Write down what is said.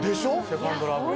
「セカンド・ラブ」